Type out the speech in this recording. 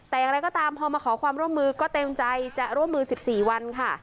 แต่อย่างไรก็ตามพอมาขอความร่วมมือก็เต็มใจจะร่วมมือ๑๔วันค่ะ